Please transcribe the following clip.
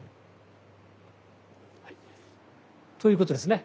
はいということですね。